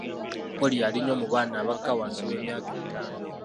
Ppooliyo ali nnyo mu baana abakka wansi w'emyaka ettaano.